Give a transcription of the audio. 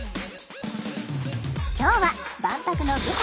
今日は万博の舞台